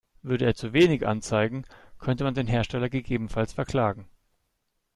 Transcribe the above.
Würde er zu wenig anzeigen, könnte man den Hersteller gegebenenfalls verklagen.